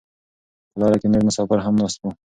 په لاره کې نور مسافر هم ناست وو.